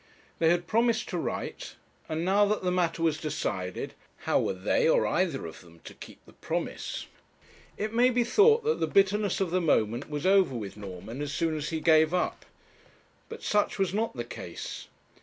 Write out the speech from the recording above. They had promised to write; and now that the matter was decided, how were they or either of them to keep the promise? It may be thought that the bitterness of the moment was over with Norman as soon as he gave up; but such was not the case.